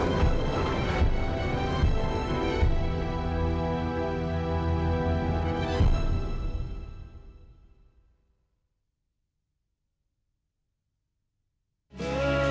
lu kalau memper dio cardiac dan penggunaan